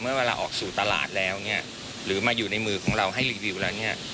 เวลาออกสู่ตลาดแล้วเนี่ยหรือมาอยู่ในมือของเราให้รีวิวแล้วเนี่ย